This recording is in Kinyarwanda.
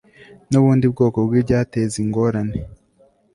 n ubundi bwoko bw ibyateza ingorane